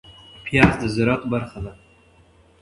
پياز د زراعت برخه ده